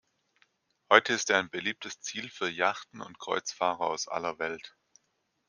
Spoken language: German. Heute ist er ein beliebtes Ziel für Yachten und Kreuzfahrer aus aller Welt.